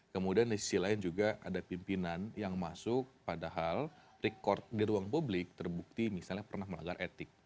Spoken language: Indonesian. kemudian di sisi lain juga ada pimpinan yang masuk padahal record di ruang publik terbukti misalnya pernah melanggar etik